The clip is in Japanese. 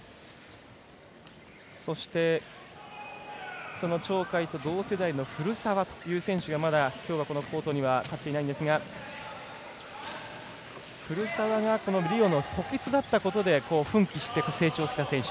そして、その鳥海と同世代の古澤という選手はきょうはこのコートには立っていないんですが古澤がリオの補欠だったことで奮起して、成長した選手。